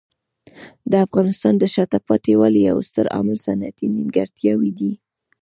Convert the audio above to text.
د افغانستان د شاته پاتې والي یو ستر عامل صنعتي نیمګړتیاوې دي.